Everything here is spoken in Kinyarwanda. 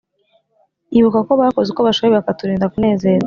Ibuka ko bakoze uko bashoboye Bakaturinda kunezerwa